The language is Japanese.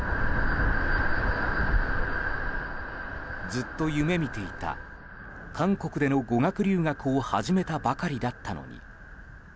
ずっと夢見ていた韓国での語学留学を始めたばかりだったのに。